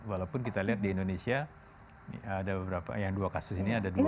walaupun kita lihat di indonesia ada beberapa yang dua kasus ini ada dua